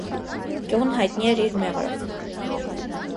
Գյուղն հայտնի էր իր մեղրով։